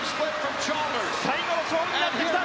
最後の勝負になってきた。